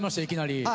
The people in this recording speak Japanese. いきなり。